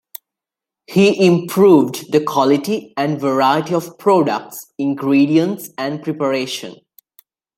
He improved the quality and variety of products, ingredients and preparation.